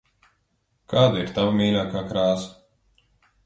Kāda ir tava mīļākā krāsa?